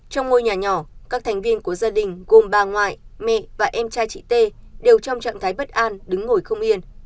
trong ngôi nhà nhỏ các thành viên của gia đình gồm bà ngoại mẹ và em trai chị t đều trong trạng thái bất an đứng ngồi không yên